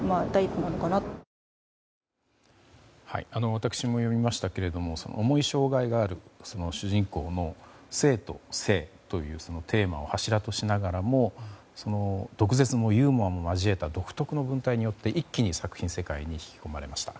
私も読みましたけども重い障害がある主人公の生と性というテーマを柱としながらも毒舌もユーモアも交えた独特な文体によって一気に作品世界に引き込まれました。